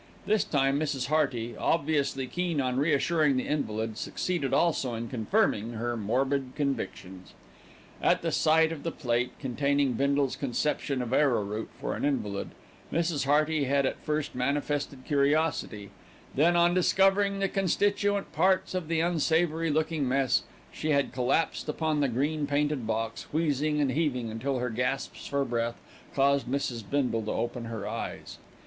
This time Mrs. Hearty, obviously keen on reassuring the invalid, succeeded also in confirming her morbid convictions. At the sight of the plate containing Bindle's conception of arrowroot for an invalid, Mrs. Hearty had at first manifested curiosity, then, on discovering the constituent parts of the unsavoury looking mess, she had collapsed upon the green painted box, wheezing and heaving until her gasps for breath caused Mrs. Bindle to open her eyes.